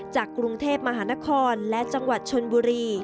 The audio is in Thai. จากกรุงเทพมหานครและจังหวัดชนบุรี